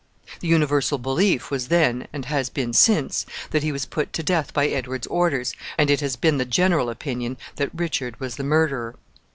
The universal belief was then, and has been since, that he was put to death by Edward's orders, and it has been the general opinion that Richard was the murderer.